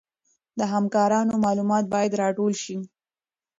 د همکارانو معلومات باید راټول شي.